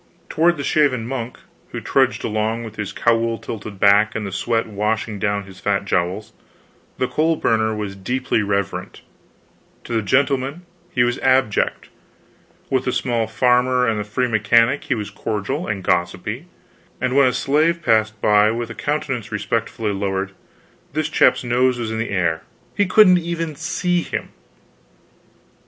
Toward the shaven monk who trudged along with his cowl tilted back and the sweat washing down his fat jowls, the coal burner was deeply reverent; to the gentleman he was abject; with the small farmer and the free mechanic he was cordial and gossipy; and when a slave passed by with a countenance respectfully lowered, this chap's nose was in the air he couldn't even see him.